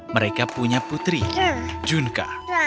mereka punya putri junkka